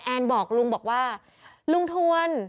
แอนบอกลุงว่าลุงทวน